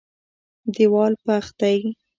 دېوال پخ دی.